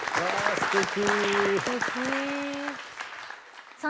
すてき！